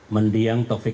mendiang tok fok